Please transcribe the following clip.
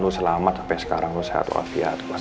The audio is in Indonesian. lu selamat sampai sekarang lu sehat